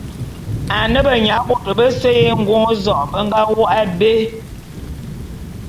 Ane benyabôtô bese y'Engôn-zok be nga wôk abé.